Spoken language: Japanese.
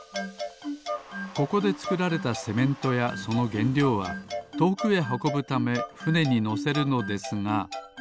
ここでつくられたセメントやそのげんりょうはとおくへはこぶためふねにのせるのですが